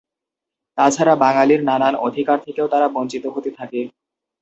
তাছাড়া বাঙালির নানান অধিকার থেকেও তারা বঞ্চিত হতে থাকে।